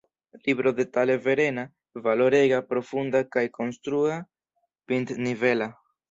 Libro detale verema, valorega, profunda kaj konstrua, pintnivela.